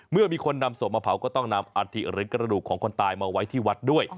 เมื่อมีคนนำศพมาเผาก็ต้องนำอัฐิหรือกระดูกของคนตายมาไว้ที่วัดด้วย